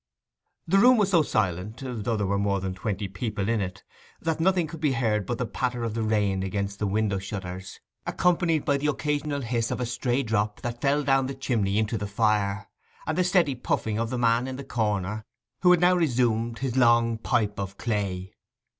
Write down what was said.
The room was so silent—though there were more than twenty people in it—that nothing could be heard but the patter of the rain against the window shutters, accompanied by the occasional hiss of a stray drop that fell down the chimney into the fire, and the steady puffing of the man in the corner, who had now resumed his pipe of long clay.